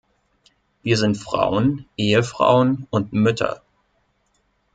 Wir sind Frauen, Ehefrauen und Mütter.